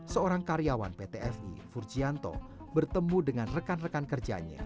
seorang karyawan pt fi furgianto bertemu dengan rekan rekan kerjanya